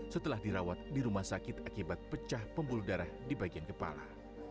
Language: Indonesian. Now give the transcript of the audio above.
setelah dirawat di rumah sakit akibat pecah pembuluh darah di bagian kepala